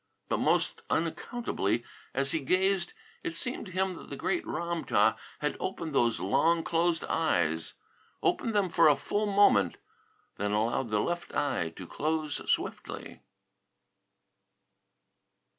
But most unaccountably, as he gazed, it seemed to him that the great Ram tah had opened those long closed eyes; opened them full for a moment; then allowed the left eye to close swiftly.